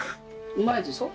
うまいでしょ？